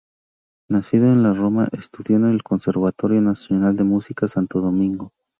Nacido en la Romana estudió en el Conservatorio Nacional de Música de Santo Domingo.